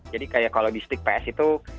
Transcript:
jadi kayak kalau di stick ps itu